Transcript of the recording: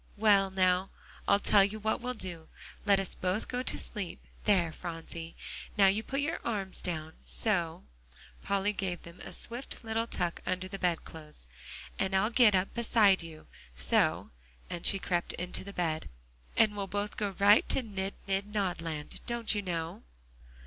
Well, now, I'll tell you what we'll do. Let us both go to sleep. There, Phronsie, now you put your arms down, so" Polly gave them a swift little tuck under the bed clothes "and I'll get up beside you, so" and she crept on to the bed "and we'll both go right to 'nid nid nodland,' don't you know?"